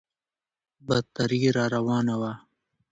بدتري راروانه وه.